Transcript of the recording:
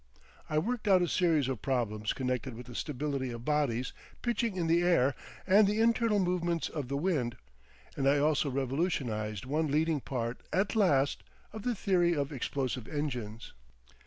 I worked out a series of problems connected with the stability of bodies pitching in the air and the internal movements of the wind, and I also revolutionised one leading part at last of the theory of explosive engines.